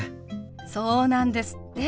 そうなんですって。